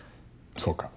そうか。